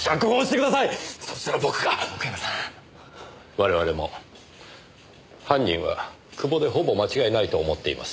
我々も犯人は久保でほぼ間違いないと思っています。